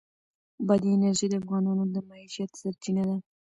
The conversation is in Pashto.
بادي انرژي د افغانانو د معیشت سرچینه ده.